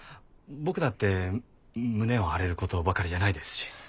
僕だって胸を張れることばかりじゃないですし。